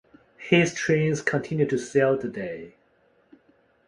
His trains continue to sell today.